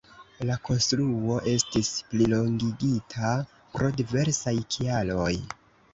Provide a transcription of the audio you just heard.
La konstruo estis plilongigita pro diversaj kialoj.